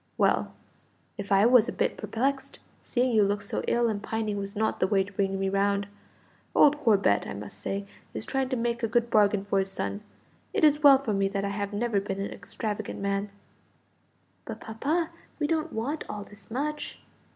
"Well, if I was a bit perplexed, seeing you look so ill and pining was not the way to bring me round. Old Corbet, I must say, is trying to make a good bargain for his son. It is well for me that I have never been an extravagant man." "But, papa, we don't want all this much."